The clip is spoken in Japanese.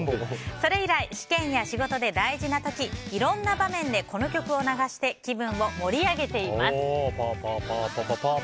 それ以来、試験や仕事で大事な時いろんな場面でこの曲を流して気分を盛り上げています。